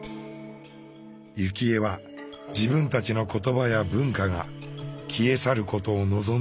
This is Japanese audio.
幸恵は自分たちの言葉や文化が消え去ることを望んでいません。